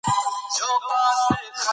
هر څوک بايد خپله برخه کار وکړي.